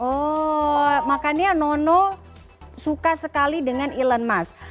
oh makanya nono suka sekali dengan elon musk